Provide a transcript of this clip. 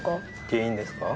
原因ですか？